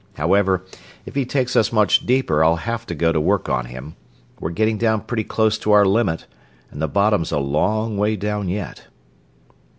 However, if he takes us much deeper I'll have to go to work on him. We're getting down pretty close to our limit, and the bottom's a long way down yet."